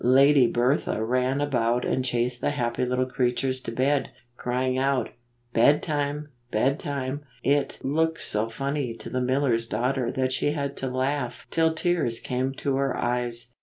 Lady Bertha ran about and chased the happy little creatures to bed, crying out, "Bedtime! Bedtime!" It looked so funny to the miller's daughter that she had to laugh till tears came to her eyes.